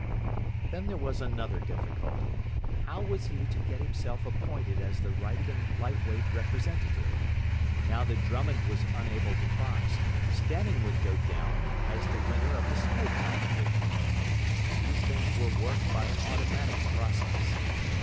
Then there was another difficulty. How was he to get himself appointed as the Wrykyn light weight representative? Now that Drummond was unable to box, Stanning would go down, as the winner of the School Competition. These things were worked by an automatic process.